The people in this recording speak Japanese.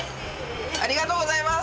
ありがとうございます。